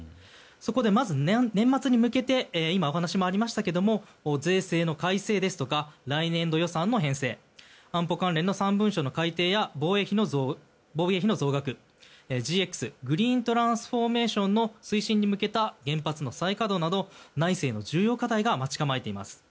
そこで、まず年末に向けて今、お話にもありましたが税制の改正ですとか来年度予算の編成安保関連の３文書の改定や防衛費の増額ＧＸ・グリーントランスフォーメーションの推進に向けた原発の再稼働など内政の重要課題が待ち構えています。